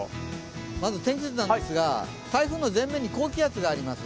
まず天気図なんですが台風の前面に高気圧があります。